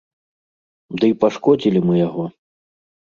Дый пашкодзілі мы яго.